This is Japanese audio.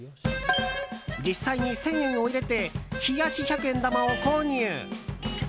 実際に１０００円を入れて冷やし百円玉を購入。